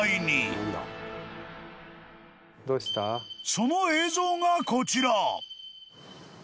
［その映像がこちら］